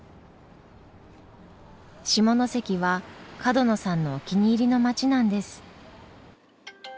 下関は角野さんのお気に入りの街なんです。